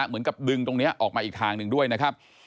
เหมือนกับดึงตรงนี้ออกมาอีกทางหนึ่งด้วยนะครับ